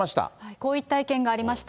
こういった意見がありました。